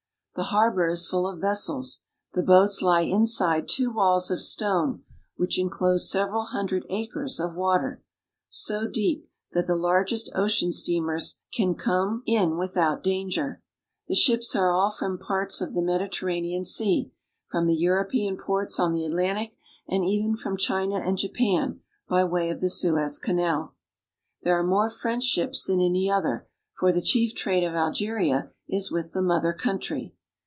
The harbor is full of vessels. The boats lie inside two .walls of stone, which inclose several hundred acres of [%rater, so deep that the largest ocean steamers can come m ALClERS 41 in without danger. The ships are from all parts of the Mediterranean Sea, from the European ports on the At lantic, and even from China and Japan by way of the Suez Canal. There are more French ships than any other, for the chief trade of Algeria is with the mother country.